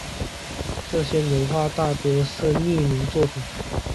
这些油画大多是匿名作品。